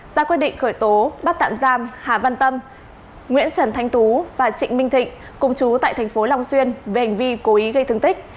ra quyết định khởi tố bắt tạm giam hà văn tâm nguyễn trần thanh tú và trịnh minh thịnh cùng chú tại thành phố long xuyên về hành vi cố ý gây thương tích